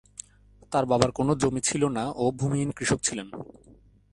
তার বাবার কোন জমি ছিল না ও ভূমিহীন কৃষক ছিলেন।